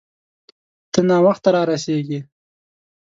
ته ناوخته را رسیږې